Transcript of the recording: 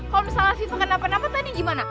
kalau misalnya afifah kena penampak tadi gimana